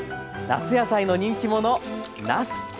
夏野菜の人気者なす。